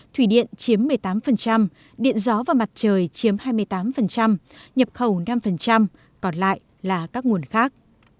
thủy điện chiếm một mươi tám điện gió và mặt trời chiếm hai mươi tám nhập khẩu năm còn lại là các nguồn khác